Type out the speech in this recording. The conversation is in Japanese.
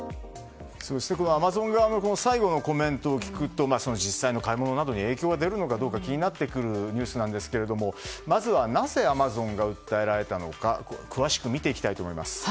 アマゾン側の最後のコメントを聞くと実際の買い物などに影響が出るのかどうか気になってくるニュースですがまずなぜアマゾンが訴えられたのか詳しく見ていきます。